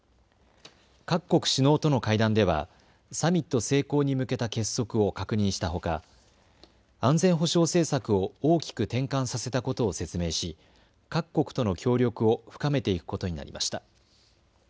各国首脳との会談ではサミット成功に向けた結束を確認したほか、安全保障政策を大きく転換させたことを説明し各国との協力を深めていくことになりました。